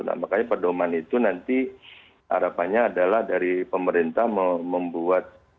nah makanya pedoman itu nanti harapannya adalah dari pemerintah membuat